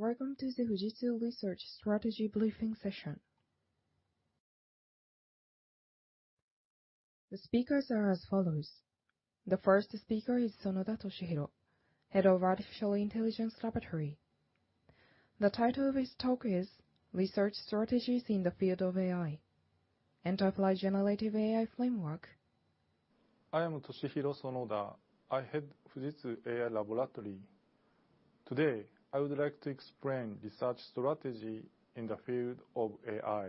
Welcome to the Fujitsu Research Strategy Briefing Session. The speakers are as follows: The first speaker is Toshihiro Sonoda, Head of Artificial Intelligence Laboratory. The title of his talk is Research Strategies in the Field of AI: Enterprise Generative AI Framework. I am Toshihiro Sonoda. I head Fujitsu AI Laboratory. Today, I would like to explain research strategy in the field of AI.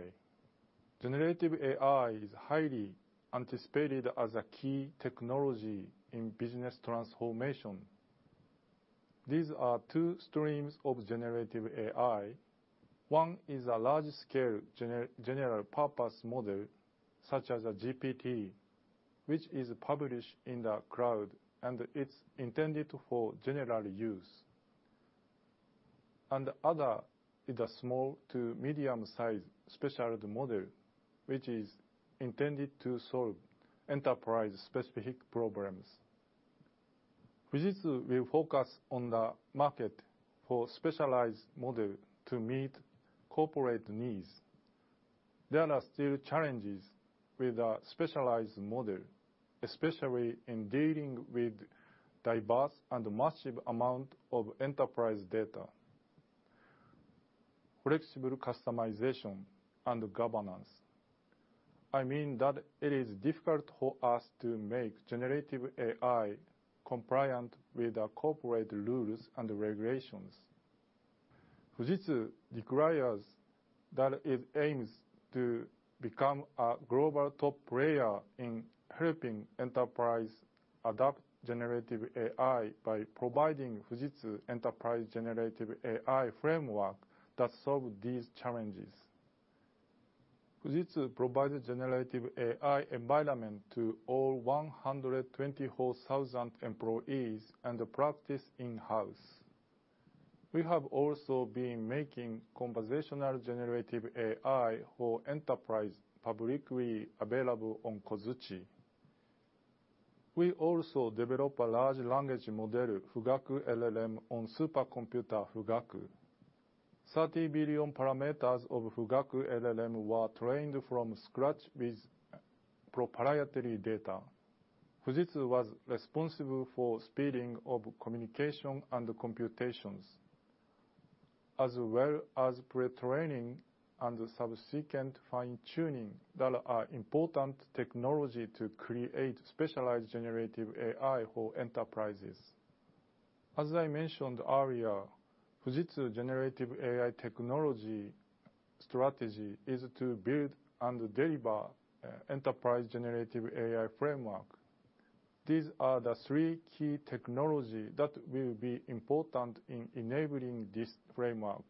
Generative AI is highly anticipated as a key technology in business transformation. These are two streams of generative AI. One is a large-scale general purpose model, such as a GPT, which is published in the cloud, and it's intended for general use. The other is a small to medium-sized specialized model, which is intended to solve enterprise-specific problems. Fujitsu will focus on the market for specialized model to meet corporate needs. There are still challenges with a specialized model, especially in dealing with diverse and massive amount of enterprise data, flexible customization, and governance. I mean that it is difficult for us to make generative AI compliant with the corporate rules and regulations. Fujitsu declares that it aims to become a global top player in helping enterprise adopt generative AI by providing Fujitsu Enterprise Generative AI Framework that solve these challenges. Fujitsu provided generative AI environment to all 124,000 employees and the practice in-house. We have also been making conversational generative AI for enterprise publicly available on Kozuchi. We also develop a large language model, Fugaku-LLM, on supercomputer, Fugaku. 30 billion parameters of Fugaku LLM were trained from scratch with proprietary data. Fujitsu was responsible for speeding of communication and computations, as well as pre-training and subsequent fine-tuning that are important technology to create specialized generative AI for enterprises. As I mentioned earlier, Fujitsu generative AI technology strategy is to build and deliver, enterprise generative AI framework. These are the three key technology that will be important in enabling this framework.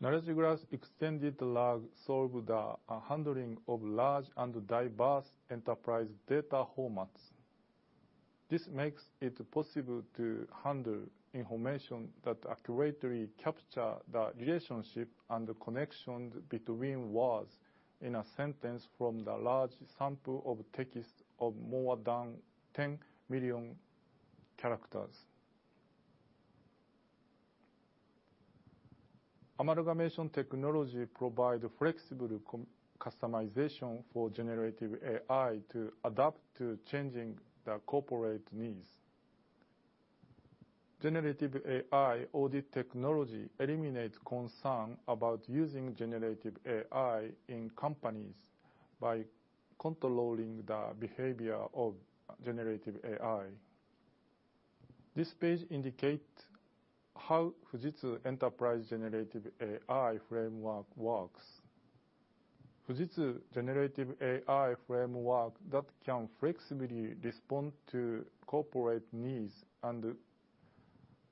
Knowledge Graph Extended RAG solves the handling of large and diverse enterprise data formats. This makes it possible to handle information that accurately captures the relationship and the connection between words in a sentence from the large sample of text of more than 10 million characters. Amalgamation Technology provides flexible customization for generative AI to adapt to changing the corporate needs. Generative AI Audit Technology eliminates concern about using generative AI in companies by controlling the behavior of generative AI. This page indicates how Fujitsu Enterprise Generative AI Framework works. Fujitsu Generative AI Framework that can flexibly respond to corporate needs and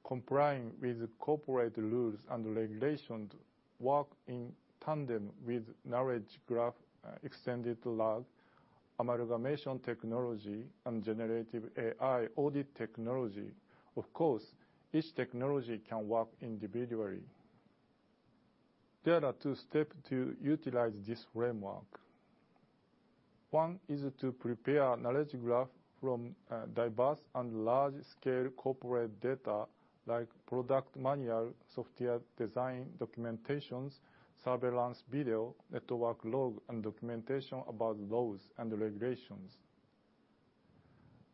complying with corporate rules and regulations, works in tandem with Knowledge Graph Extended RAG, Amalgamation Technology, and Generative AI Audit Technology. Of course, each technology can work individually. There are two steps to utilize this framework. One is to prepare a knowledge graph from diverse and large-scale corporate data like product manual, software design documentations, surveillance video, network log, and documentation about laws and regulations.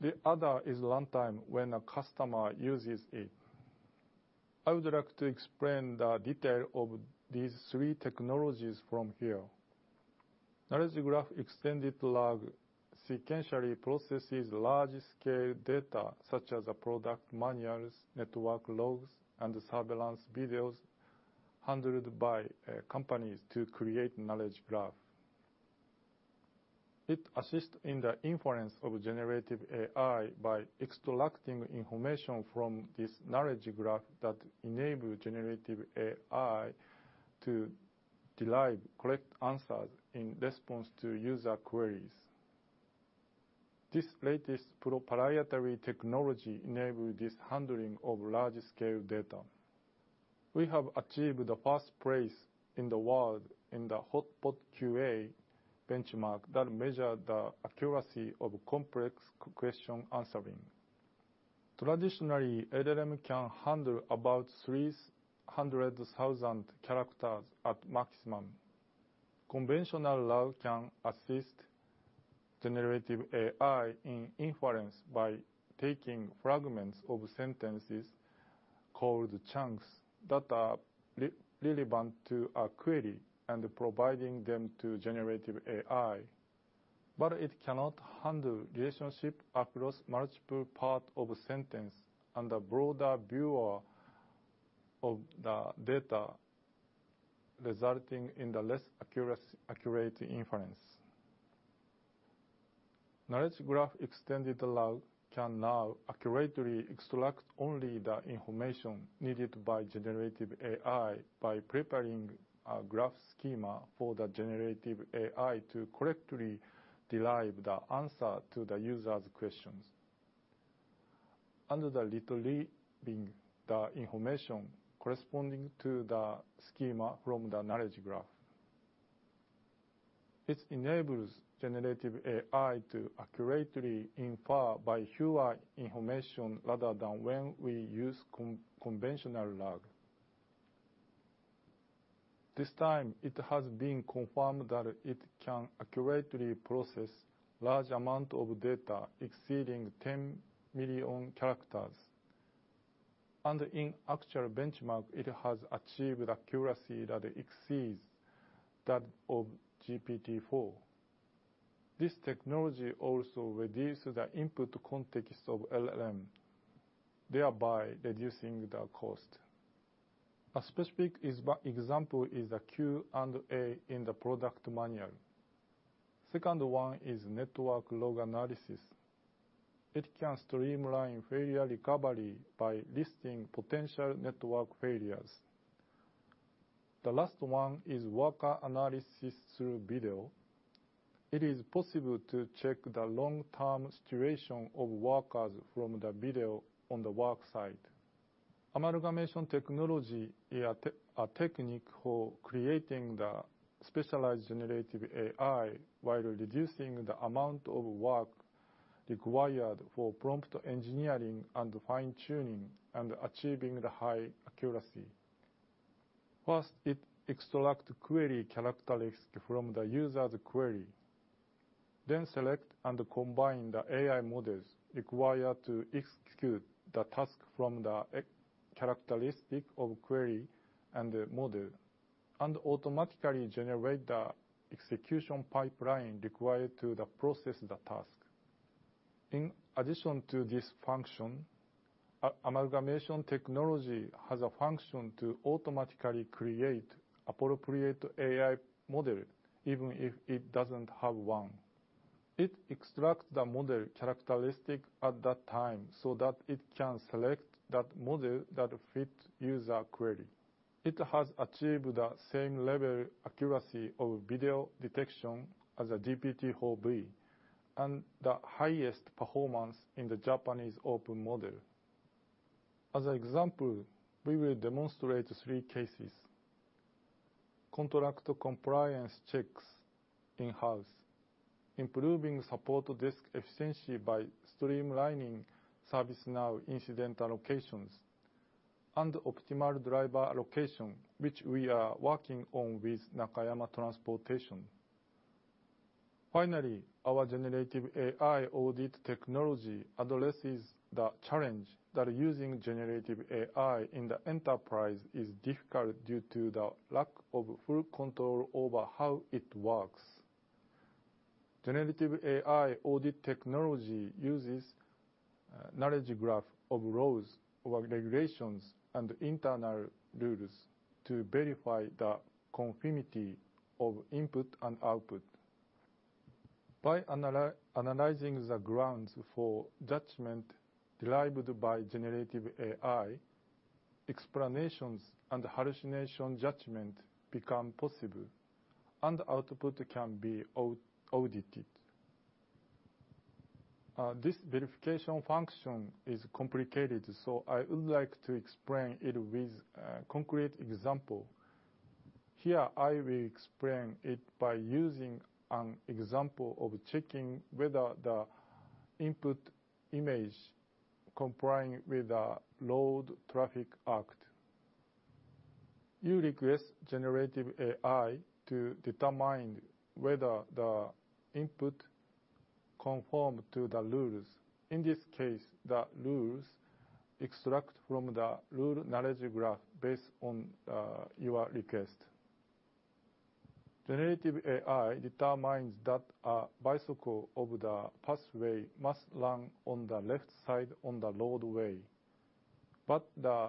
The other is runtime, when a customer uses it. I would like to explain the detail of these three technologies from here. Knowledge Graph Extended RAG sequentially processes large-scale data such as product manuals, network logs, and surveillance videos handled by companies to create knowledge graph. It assists in the inference of generative AI by extracting information from this knowledge graph that enable generative AI to derive correct answers in response to user queries. This latest proprietary technology enable this handling of large-scale data.... We have achieved the first place in the world in the HotpotQA benchmark that measure the accuracy of complex question answering. Traditionally, LLM can handle about 300,000 characters at maximum. Conventional RAG can assist generative AI in inference by taking fragments of sentences, called chunks, that are relevant to a query and providing them to generative AI. But it cannot handle relationships across multiple parts of a sentence and a broader view of the data, resulting in less accurate inference. Knowledge Graph Extended RAG can now accurately extract only the information needed by generative AI by preparing a graph schema for the generative AI to correctly derive the answer to the user's questions. By retrieving the information corresponding to the schema from the knowledge graph, this enables generative AI to accurately infer by fewer information rather than when we use conventional RAG. This time, it has been confirmed that it can accurately process large amount of data exceeding 10 million characters, and in actual benchmark, it has achieved accuracy that exceeds that of GPT-4. This technology also reduces the input context of LLM, thereby reducing the cost. A specific example is a Q&A in the product manual. Second one is network log analysis. It can streamline failure recovery by listing potential network failures. The last one is worker analysis through video. It is possible to check the long-term situation of workers from the video on the work site. Amalgamation technology is a technique for creating the specialized generative AI, while reducing the amount of work required for prompt engineering and fine-tuning, and achieving the high accuracy. First, it extracts query characteristics from the user's query, then select and combine the AI models required to execute the task from the characteristic of query and the model, and automatically generate the execution pipeline required to the process the task. In addition to this function, amalgamation technology has a function to automatically create appropriate AI model, even if it doesn't have one. It extracts the model characteristic at that time, so that it can select that model that fits user query. It has achieved the same level accuracy of video detection as a GPT-4V, and the highest performance in the Japanese open model. As an example, we will demonstrate three cases: contract compliance checks in-house, improving support desk efficiency by streamlining ServiceNow incident allocations, and optimal driver allocation, which we are working on with Nakayama Transportation. Finally, our generative AI audit technology addresses the challenge that using generative AI in the enterprise is difficult due to the lack of full control over how it works. Generative AI audit technology uses knowledge graph of laws, or regulations, and internal rules to verify the conformity of input and output. By analyzing the grounds for judgment derived by generative AI, explanations and hallucination judgment become possible, and output can be audited. This verification function is complicated, so I would like to explain it with a concrete example. Here, I will explain it by using an example of checking whether the input image complying with the Road Traffic Act. You request generative AI to determine whether the input conform to the rules. In this case, the rules extract from the rule knowledge graph based on, your request. Generative AI determines that a bicycle over the pathway must run on the left side on the roadway, but the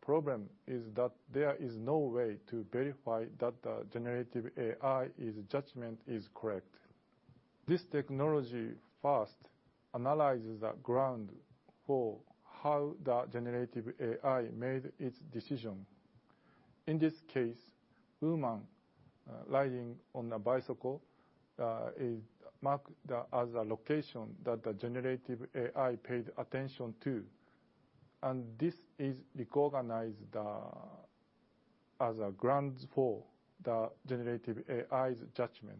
problem is that there is no way to verify that the generative AI's judgment is correct. This technology first analyzes the ground for how the generative AI made its decision.... In this case, woman riding on a bicycle is marked as a location that the generative AI paid attention to, and this is recognized as grounds for the generative AI's judgment.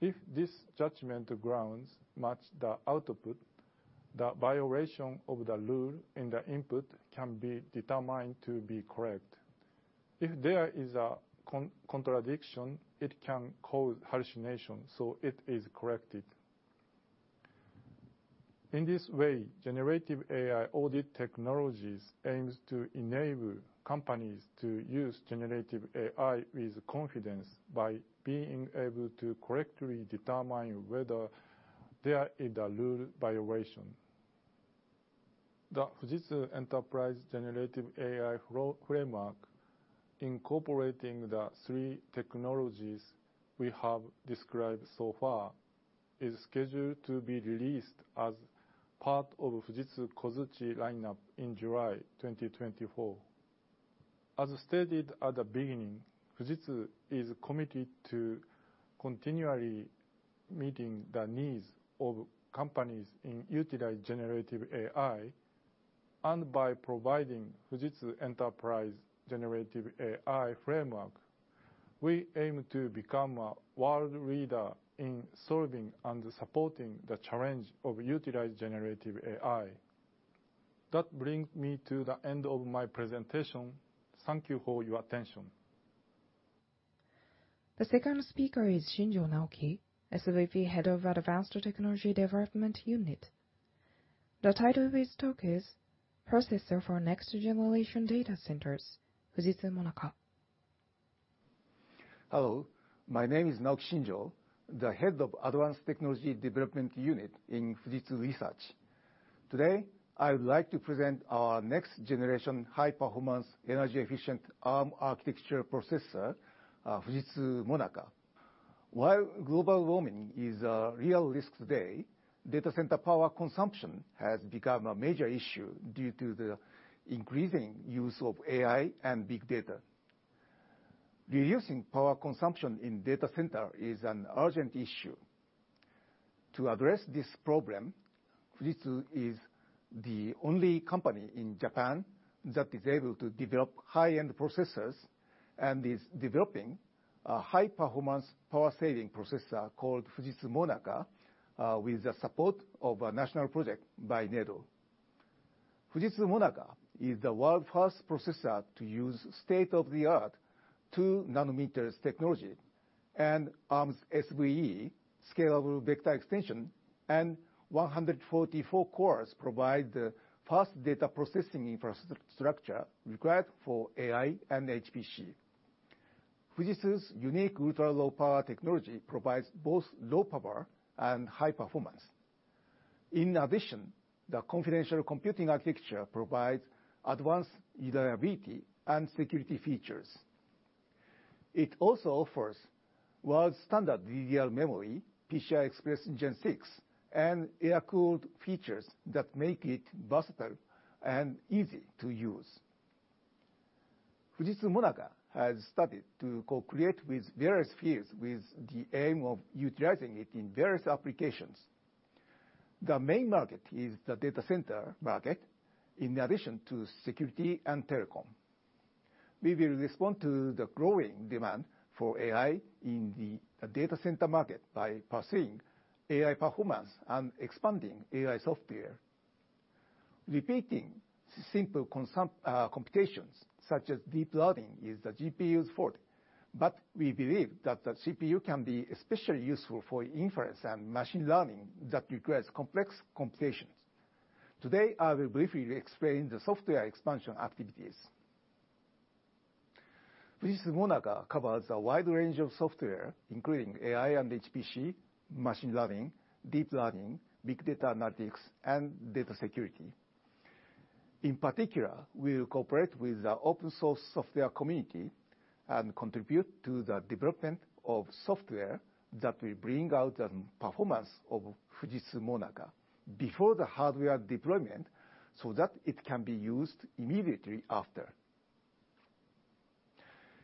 If this judgment grounds match the output, the violation of the rule in the input can be determined to be correct. If there is a contradiction, it can cause hallucination, so it is corrected. In this way, generative AI audit technologies aims to enable companies to use generative AI with confidence by being able to correctly determine whether there is a rule violation. The Fujitsu Enterprise Generative AI Framework, incorporating the three technologies we have described so far, is scheduled to be released as part of Fujitsu Kozuchi lineup in July 2024. As stated at the beginning, Fujitsu is committed to continually meeting the needs of companies in utilize generative AI, and by providing Fujitsu Enterprise Generative AI Framework, we aim to become a world leader in solving and supporting the challenge of utilize generative AI. That brings me to the end of my presentation. Thank you for your attention. The second speaker is Naoki Shinjo, SVP, Head of Advanced Technology Development Unit. The title of his talk is "Processor for Next-Generation Data Centers, FUJITSU-MONAKA. Hello, my name is Naoki Shinjo, the Head of Advanced Technology Development Unit in Fujitsu Research. Today, I would like to present our next-generation, high-performance, energy-efficient ARM architecture processor, FUJITSU-MONAKA. While global warming is a real risk today, data center power consumption has become a major issue due to the increasing use of AI and big data. Reducing power consumption in data center is an urgent issue. To address this problem, Fujitsu is the only company in Japan that is able to develop high-end processors, and is developing a high-performance power-saving processor called FUJITSU-MONAKA, with the support of a national project by NEDO. FUJITSU-MONAKA is the world's first processor to use state-of-the-art 2 nanometers technology and ARM's SVE, Scalable Vector Extension, and 144 cores provide the fast data processing infrastructure required for AI and HPC. Fujitsu's unique ultra-low power technology provides both low power and high performance. In addition, the confidential computing architecture provides advanced usability and security features. It also offers world-standard DDR memory, PCI Express Gen 6, and air-cooled features that make it versatile and easy to use. FUJITSU-MONAKA has started to co-create with various fields, with the aim of utilizing it in various applications. The main market is the data center market, in addition to security and telecom. We will respond to the growing demand for AI in the data center market by pursuing AI performance and expanding AI software. Repeating simple computations, such as deep learning, is the GPU's fault, but we believe that the CPU can be especially useful for inference and machine learning that requires complex computations. Today, I will briefly explain the software expansion activities. FUJITSU-MONAKA covers a wide range of software, including AI and HPC, machine learning, deep learning, big data analytics, and data security. In particular, we will cooperate with the open source software community and contribute to the development of software that will bring out the performance of FUJITSU-MONAKA before the hardware deployment, so that it can be used immediately after.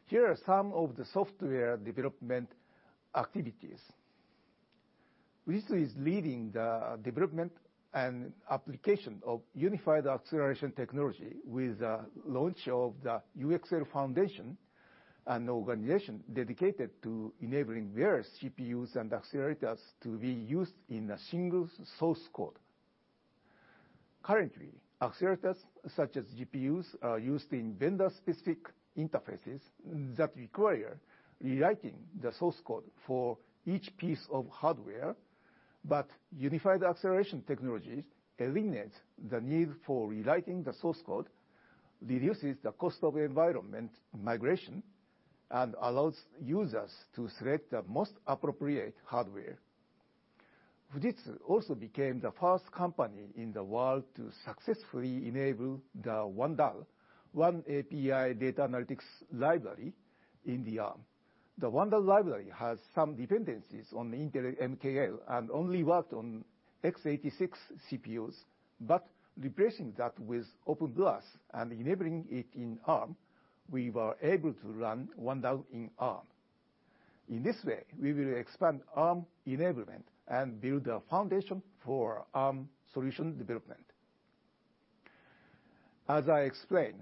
Here are some of the software development activities. Fujitsu is leading the development and application of unified acceleration technology with the launch of the UXL Foundation, an organization dedicated to enabling various CPUs and accelerators to be used in a single source code. Currently, accelerators such as GPUs are used in vendor-specific interfaces that require rewriting the source code for each piece of hardware, but unified acceleration technologies eliminate the need for rewriting the source code, reduces the cost of environment migration, and allows users to select the most appropriate hardware. Fujitsu also became the first company in the world to successfully enable the oneDAL, oneAPI data analytics library in the ARM. The oneDAL has some dependencies on the Intel MKL and only worked on x86 CPUs, but replacing that with OpenBLAS and enabling it in ARM, we were able to run oneDAL in ARM. In this way, we will expand ARM enablement and build a foundation for ARM solution development. As I explained,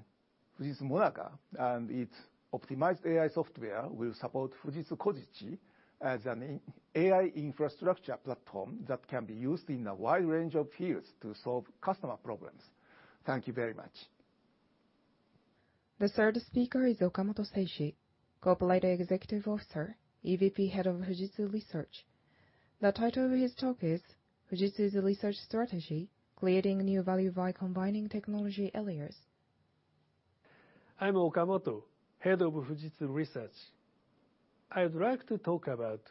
FUJITSU-MONAKA and its optimized AI software will support Fujitsu Kozuchi as an AI infrastructure platform that can be used in a wide range of fields to solve customer problems. Thank you very much. The third speaker is Seishi Okamoto, Corporate Executive Officer, EVP, Head of Fujitsu Research. The title of his talk is Fujitsu's Research Strategy: Creating New Value by Combining Technology Areas. I'm Okamoto, Head of Fujitsu Research. I would like to talk about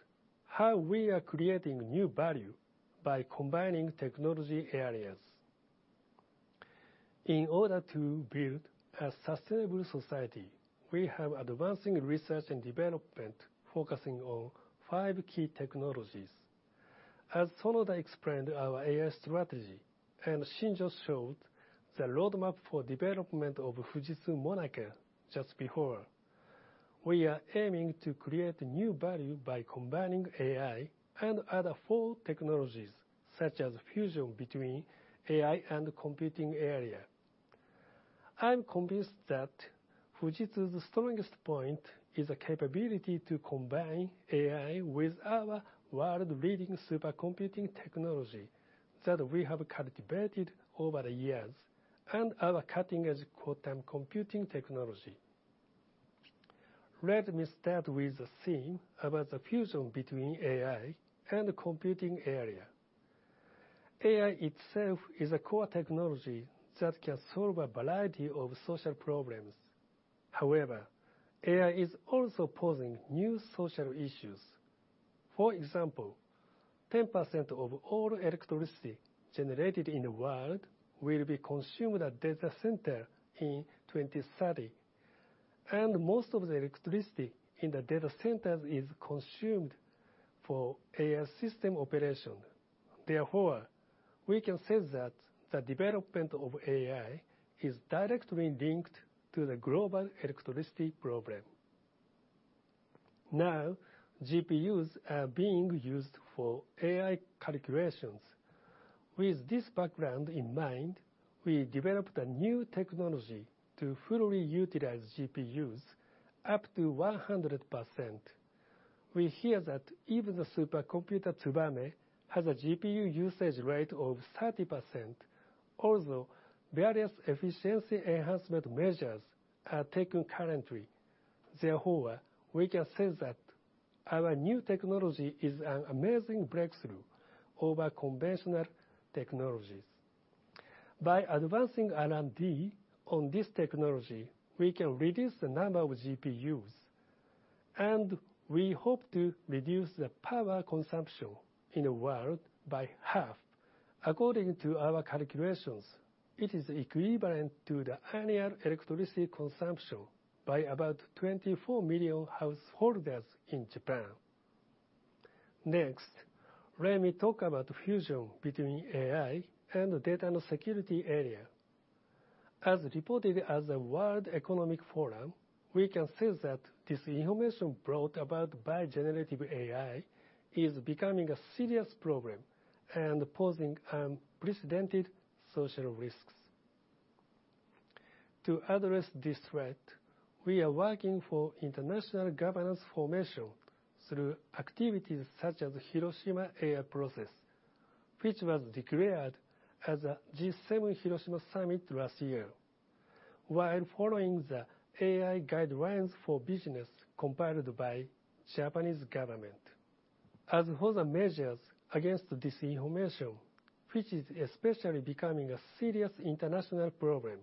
how we are creating new value by combining technology areas. In order to build a sustainable society, we have advancing research and development, focusing on five key technologies. As Sonoda explained, our AI strategy and Shinjo showed the roadmap for development of FUJITSU-MONAKA just before, we are aiming to create new value by combining AI and other four technologies, such as fusion between AI and computing area. I'm convinced that Fujitsu's strongest point is the capability to combine AI with our world-leading supercomputing technology that we have cultivated over the years, and our cutting-edge quantum computing technology. Let me start with the theme about the fusion between AI and the computing area. AI itself is a core technology that can solve a variety of social problems. However, AI is also posing new social issues. For example, 10% of all electricity generated in the world will be consumed at data center in 2030, and most of the electricity in the data centers is consumed for AI system operation. Therefore, we can say that the development of AI is directly linked to the global electricity problem. Now, GPUs are being used for AI calculations. With this background in mind, we developed a new technology to fully utilize GPUs up to 100%. We hear that even the supercomputer, Tsubame, has a GPU usage rate of 30%, although various efficiency enhancement measures are taken currently. Therefore, we can say that our new technology is an amazing breakthrough over conventional technologies. By advancing R&D on this technology, we can reduce the number of GPUs, and we hope to reduce the power consumption in the world by half. According to our calculations, it is equivalent to the annual electricity consumption by about 24 million householders in Japan. Next, let me talk about fusion between AI and data security area. As reported as a World Economic Forum, we can say that this information brought about by generative AI is becoming a serious problem and posing unprecedented social risks. To address this threat, we are working for international governance formation through activities such as the Hiroshima AI Process, which was declared as a G7 Hiroshima Summit last year, while following the AI guidelines for business compiled by Japanese government. As for the measures against disinformation, which is especially becoming a serious international problem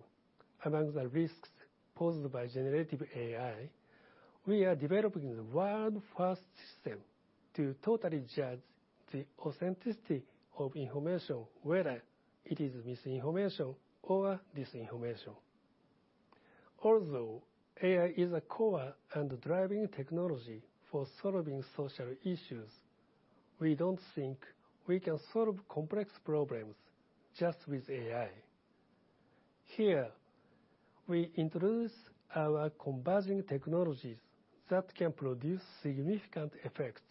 among the risks posed by generative AI, we are developing the world's first system to totally judge the authenticity of information, whether it is misinformation or disinformation. Although AI is a core and driving technology for solving social issues, we don't think we can solve complex problems just with AI. Here, we introduce our converging technologies that can produce significant effects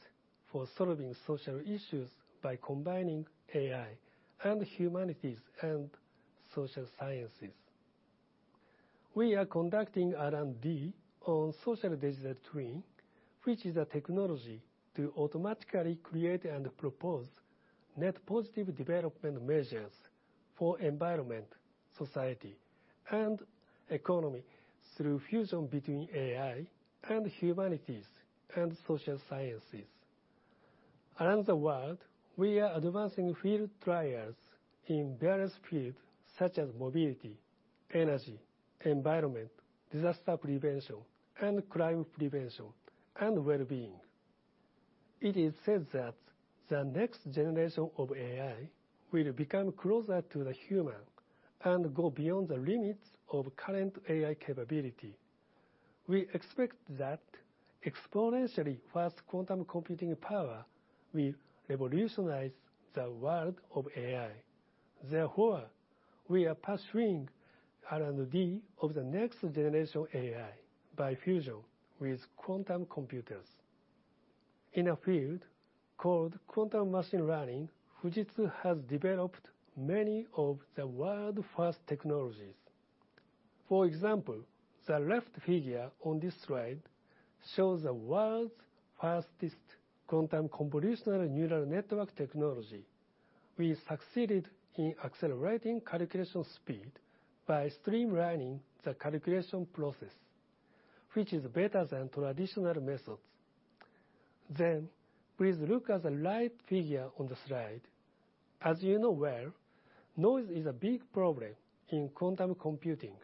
for solving social issues by combining AI and humanities and social sciences. We are conducting R&D on Social Digital Twin, which is a technology to automatically create and propose net positive development measures for environment, society, and economy through fusion between AI and humanities and social sciences. Around the world, we are advancing field trials in various fields, such as mobility, energy, environment, disaster prevention, and crime prevention, and wellbeing.... It is said that the next generation of AI will become closer to the human and go beyond the limits of current AI capability. We expect that exponentially fast quantum computing power will revolutionize the world of AI. Therefore, we are pursuing R&D of the next generation AI by fusion with quantum computers. In a field called quantum machine learning, Fujitsu has developed many of the world-first technologies. For example, the left figure on this slide shows the world's fastest Quantum Convolutional Neural Network technology. We succeeded in accelerating calculation speed by streamlining the calculation process, which is better than traditional methods. Then, please look at the right figure on the slide. As you know well, noise is a big problem in quantum computing.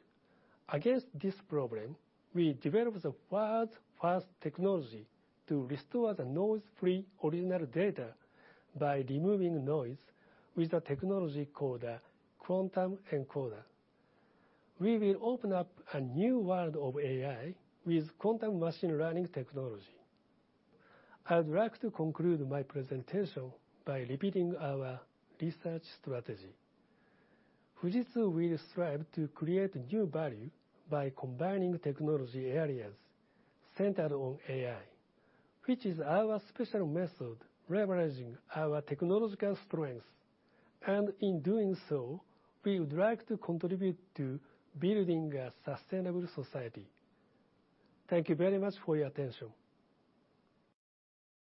Against this problem, we developed the world's first technology to restore the noise-free original data by removing noise with a technology called a Quantum Encoder. We will open up a new world of AI with quantum machine learning technology. I would like to conclude my presentation by repeating our research strategy. Fujitsu will strive to create new value by combining technology areas centered on AI, which is our special method, leveraging our technological strengths. In doing so, we would like to contribute to building a sustainable society. Thank you very much for your attention.